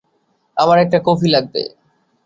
আমার একটা কফি লাগবে।